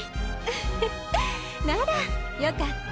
フフッならよかった。